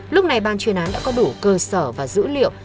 lúc này ban chuyên án đã có đủ cơ sở và dữ liệu